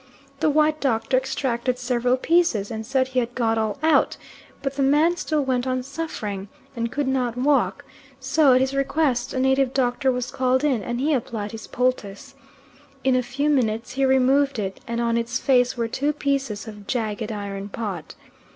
The white doctor extracted several pieces and said he had got all out, but the man still went on suffering, and could not walk, so, at his request, a native doctor was called in, and he applied his poultice. In a few minutes he removed it, and on its face were two pieces of jagged iron pot.